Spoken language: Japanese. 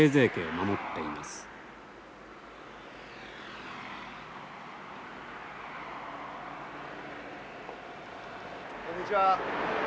あっこんにちは。